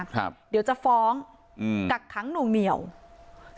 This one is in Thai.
ครับเดี๋ยวจะฟ้องอืมกักขังหน่วงเหนียว